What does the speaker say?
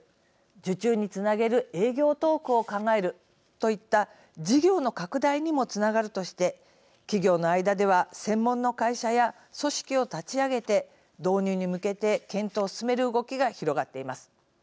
受注につなげる営業トークを考えるといった事業の拡大にもつながるとして企業の間では専門の会社や組織を立ち上げて導入に向けて検討を進める動きが広がっています。